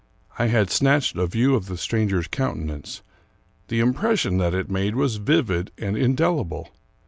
I had snatched a view of the stranger's coun tenance. The impression that it made was vivid and in delible.